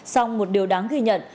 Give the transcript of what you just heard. xong một điều đáng ghi nhận